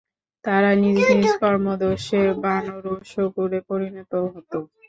তারা নিজ নিজ কর্মদোষে বানর ও শূকরে পরিণত হলো।